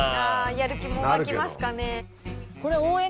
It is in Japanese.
やる気も湧きますかね。